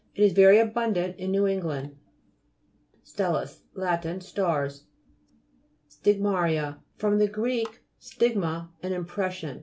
It is very abundant in New England. STELLAS Lat. Stars. STIGMA'RIA fr. gr. stigma, an im pression.